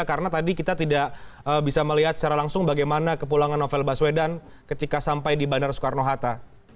karena tadi kita tidak bisa melihat secara langsung bagaimana kepulangan novel baswedan ketika sampai di bandar soekarno hatta